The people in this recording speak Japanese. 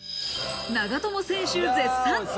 長友選手、絶賛。